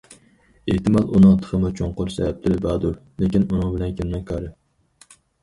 ئېھتىمال، ئۇنىڭ تېخىمۇ چوڭقۇر سەۋەبلىرى باردۇر، لېكىن ئۇنىڭ بىلەن كىمنىڭ كارى.